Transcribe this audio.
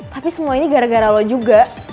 tapi semua ini gara gara lo juga